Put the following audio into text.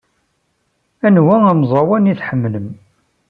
Anwa amẓawan i tḥemmlem?